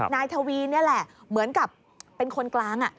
นายทวีนี่แหละเหมือนกับเป็นคนกลาง